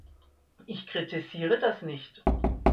Ich kritisiere das nicht.